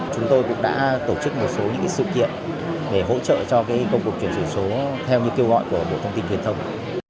chúng tôi cũng đã tổ chức một số những sự kiện để hỗ trợ cho công cuộc chuyển đổi số theo như kêu gọi của bộ thông tin truyền thông